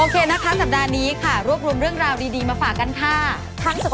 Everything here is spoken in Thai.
กลับถูกรอบว่าสิบปี